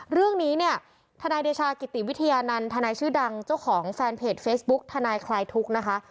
เรื่องนี้เนี่ยทนายเดชากิติวิทยานันต์ทนายชื่อดังเจ้าของแฟนเพจเฟซบุ๊กทนายคลายทุกข์นะคะ